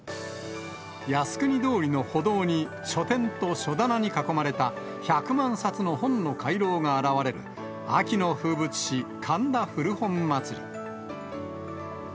靖国通りの歩道に、書店と書棚に囲まれた１００万冊の本の回廊が現れる秋の風物詩、神田古本まつり。